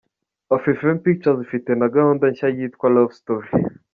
Afrifame Pictures ifite na gahunda nshya yitwa ’Lovestory’.